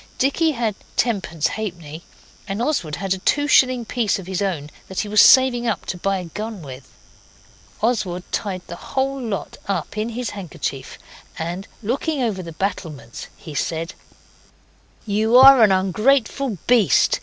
Dicky had tenpence halfpenny, and Oswald had a two shilling piece of his own that he was saving up to buy a gun with. Oswald tied the whole lot up in his handkerchief, and looking over the battlements, he said 'You are an ungrateful beast.